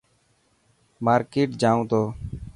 مارڪيٽ جائون تو.